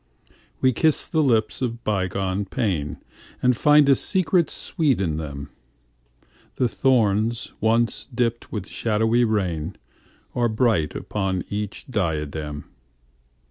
We kiss the lips of bygone painAnd find a secret sweet in them:The thorns once dripped with shadowy rainAre bright upon each diadem.